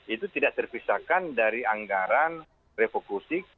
itu tidak terpisahkan dari anggaran refocusi